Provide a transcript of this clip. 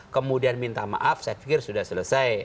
kemudian minta maaf saya pikir sudah selesai